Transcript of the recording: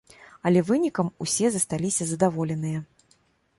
Але вынікам усе засталіся задаволеныя.